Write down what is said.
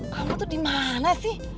kamu tuh dimana sih